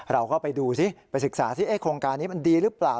เราก็ไปดูสิไปศึกษาสิโครงการนี้มันดีหรือเปล่า